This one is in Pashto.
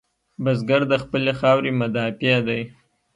بزګر د خپلې خاورې مدافع دی